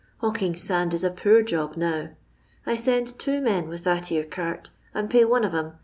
Hawking aand it a poor job now. I tend two men with that *ere cart, aod pay one of 'em 8t.